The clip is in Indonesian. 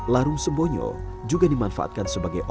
larung sembonyo juga dimanfaatkan untuk menjaga keamanan